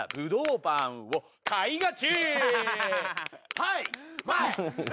はい。